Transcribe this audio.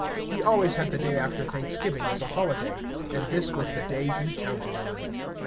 He always had the day after Thanksgiving as a holiday, and this was the day he counted on.